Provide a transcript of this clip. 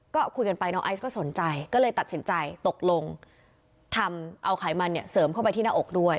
ก็คุยกันไปน้องไอซ์ก็สนใจก็เลยตัดสินใจตกลงทำเอาไขมันเนี่ยเสริมเข้าไปที่หน้าอกด้วย